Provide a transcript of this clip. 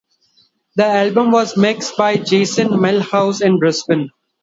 The album was mixed by Jason Millhouse in Brisbane.